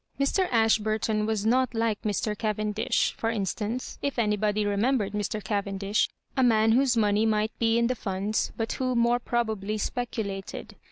Mr, Ashburton was not like Mr. Caven dish, for instance (if anybody remembered Mr. Cavendish), a man whose money might be in the Funds, but who more probably speculated.